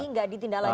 nggak ditindak lanjut